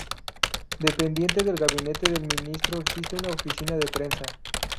Dependiente del Gabinete del ministro existe una Oficina de Prensa.